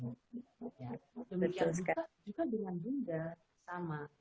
demikian juga dengan bunda